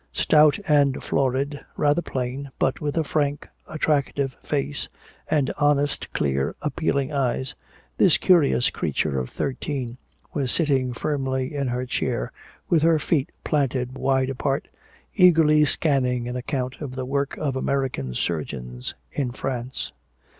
Stout and florid, rather plain, but with a frank, attractive face and honest, clear, appealing eyes, this curious creature of thirteen was sitting firmly in her chair with her feet planted wide apart, eagerly scanning an account of the work of American surgeons in France.